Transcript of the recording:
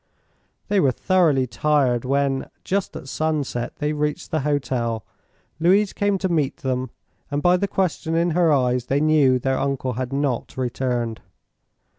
They were thoroughly tired when, just at sunset, they reached the hotel. Louise came to meet them, and by the question in her eyes they knew their uncle had not returned.